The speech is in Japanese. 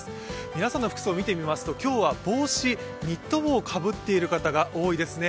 皆さんの服装見てみますと今日は帽子ニット帽をかぶっている方が多いですね。